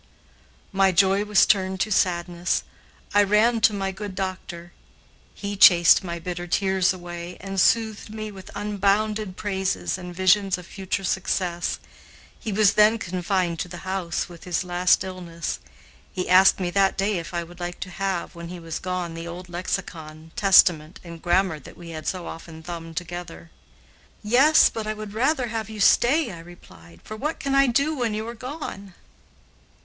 My joy was turned to sadness. I ran to my good doctor. He chased my bitter tears away, and soothed me with unbounded praises and visions of future success. He was then confined to the house with his last illness. He asked me that day if I would like to have, when he was gone, the old lexicon, Testament, and grammar that we had so often thumbed together. "Yes, but I would rather have you stay," I replied, "for what can I do when you are gone?"